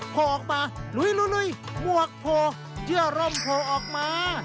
โพรออกมาหนุ้ยหมวกโผล่เจื้อร่มโผล่ออกมา